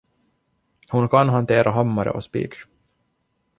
Hon kan hantera hammare och spik!